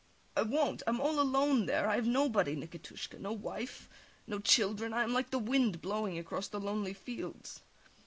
I won't! I am all alone there. I have nobody, Nikitushka! No wife no children. I am like the wind blowing across the lonely fields.